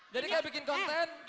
jadi kayak bikin konten kita harus tahu